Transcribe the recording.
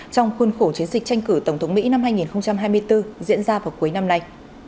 trong khuôn khổ chiến dịch tranh cử tổng thống mỹ năm hai nghìn hai mươi bốn diễn ra vào cuối năm nay